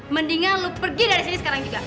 mendingan pergi dari sini sekarang juga